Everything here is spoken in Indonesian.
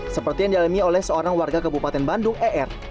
seperti yang dialami oleh seorang warga kabupaten bandung er